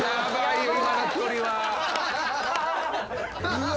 うわ。